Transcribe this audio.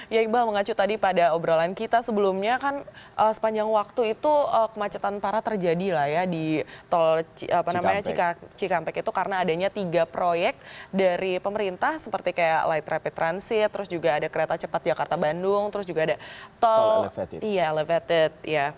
ya iqbal mengacu tadi pada obrolan kita sebelumnya kan sepanjang waktu itu kemacetan parah terjadi lah ya di tol cikampek itu karena adanya tiga proyek dari pemerintah seperti kayak light rapid transit terus juga ada kereta cepat jakarta bandung terus juga ada tol elevated